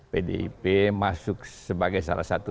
pdip masuk sebagai salah satu